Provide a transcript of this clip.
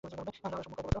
আল্লাহ সম্যক অবগত।